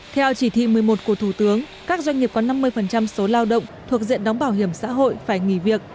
theo chỉ thị một mươi một của thủ tướng các doanh nghiệp có năm mươi số lao động thuộc diện đóng bảo hiểm xã hội phải nghỉ việc